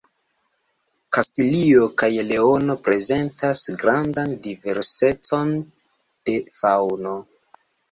Kastilio kaj Leono prezentas grandan diversecon de faŭno.